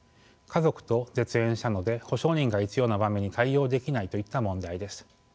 家族と絶縁したので保証人が必要な場面に対応できないといった問題です。